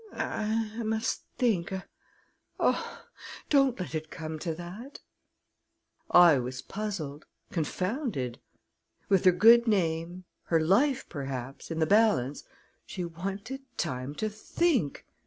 "I must think. Oh, don't let it come to that!" I was puzzled confounded. With her good name, her life, perhaps, in the balance, she wanted time to think!